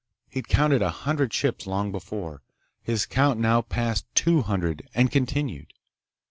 He'd counted a hundred ships long before. His count now passed two hundred and continued.